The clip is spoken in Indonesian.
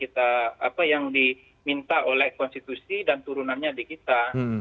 apa yang diminta oleh konstitusi dan turunannya di kita